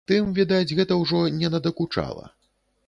Тым, відаць, гэта ўжо не надакучала.